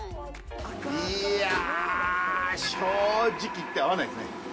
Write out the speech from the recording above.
いやー、正直言って、合わないですね。